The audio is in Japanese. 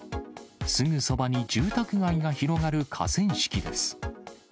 すぐそばに住宅街が広がる河川敷です。